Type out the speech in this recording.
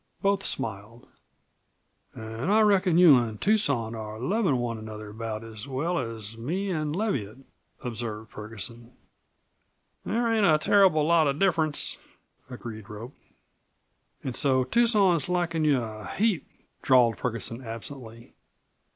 Both smiled. "Then I reckon you an' Tucson are lovin' one another about as well as me an' Leviatt," observed Ferguson. "There ain't a turruble lot of difference," agreed Rope. "An' so Tucson's likin' you a heap," drawled Ferguson absently.